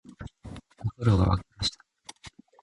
お風呂が湧きました